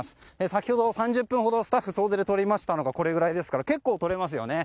先ほど３０分ほどスタッフ総出でとりましたのがこれぐらいですから結構とれますよね。